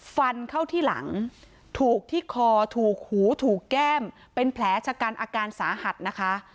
ฟันเข้าที่หลังถูกที่คอถูกหูถูกแก้มเป็นแผลชะกันอาการสาหัสนะคะ